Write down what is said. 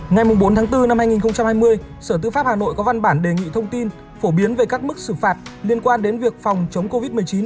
ngày bốn tháng bốn năm hai nghìn hai mươi sở tư pháp hà nội có văn bản đề nghị thông tin phổ biến về các mức xử phạt liên quan đến việc phòng chống covid một mươi chín